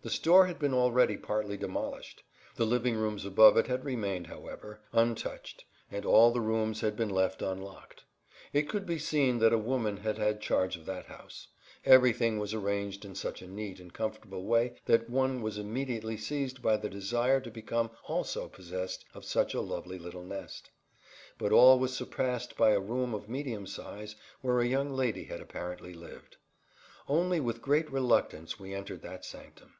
The store had been already partly demolished. The living rooms above it had remained, however, untouched, and all the rooms had been left unlocked. It could be seen that a woman had had charge of that house; everything was arranged in such a neat and comfortable way that one was immediately seized by the desire to become also possessed of such a lovely little nest. But all was surpassed by a room of medium size where a young lady had apparently lived. Only with great reluctance we entered that sanctum.